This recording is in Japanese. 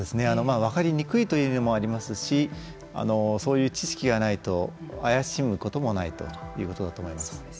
分かりにくいという面もありますしそういう知識がないと怪しむこともないということだと思います。